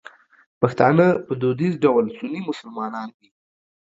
پښتانه په دودیز ډول سني مسلمانان دي.